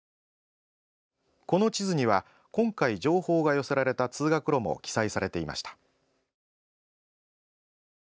この地図には今回、情報が寄せられた通学路も記載されていました。